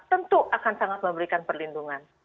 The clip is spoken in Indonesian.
tentu akan sangat memberikan perlindungan